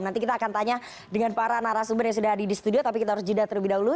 nanti kita akan tanya dengan para narasumber yang sudah hadir di studio tapi kita harus jeda terlebih dahulu